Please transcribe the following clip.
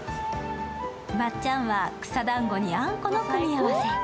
まっちゃんは草だんごにあんこの組み合わせ。